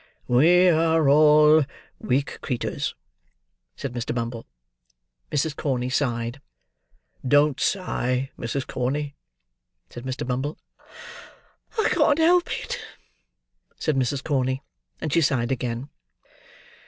"We are all weak creeturs," said Mr. Bumble. Mrs. Corney sighed. "Don't sigh, Mrs. Corney," said Mr. Bumble. "I can't help it," said Mrs. Corney. And she sighed again.